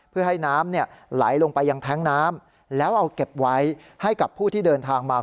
เพื่อให้น้ำไหลลงไปยังแท้งน้ำแล้วเอาเก็บไว้ให้กับผู้ที่เดินทางมา